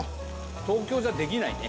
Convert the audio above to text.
東京じゃできないね。